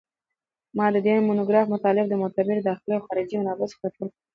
ما د دې مونوګراف مطالب د معتبرو داخلي او خارجي منابعو څخه راټول کړل